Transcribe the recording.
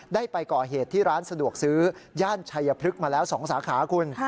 ได้ไปก่อเหตุที่ร้านสะดวกซื้อย่านชัยพฤกษ์มาแล้ว๒สาขาคุณ